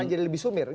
akan jadi lebih sumir